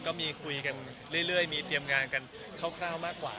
ก็มีคุยกันเรื่อยมีเตรียมงานกันคร่าวมากกว่า